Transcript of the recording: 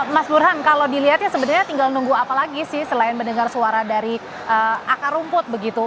mas burhan kalau dilihatnya sebenarnya tinggal nunggu apa lagi sih selain mendengar suara dari akar rumput begitu